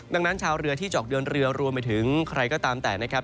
ดังนั้นชาวเรือที่จะออกเดินเรือรวมไปถึงใครก็ตามแต่นะครับ